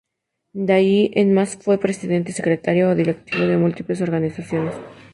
De ahí en más fue presidente, secretario o directivo de múltiples organizaciones.